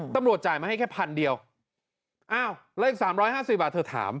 ตำรวจจ่ายมาให้แค่พันเดียวอ้าวแล้วอีก๓๕๐บาทเธอถาม